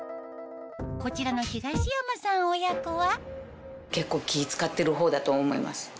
こちらの東山さん親子は？